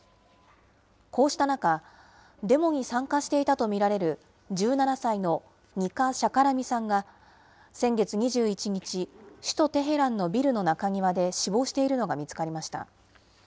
こうした中、デモに参加していたと見られる１７歳のニカ・シャカラミさんが先月２１日、首都テヘランのビルの中庭で死亡しているのが見つかりました。